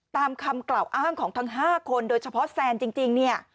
ตามคำกล่าวอ้างของทั้ง๕คนโดยเฉพาะแซนจริงเนี่ย